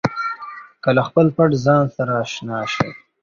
که له خپل پټ ځان سره اشنا شئ.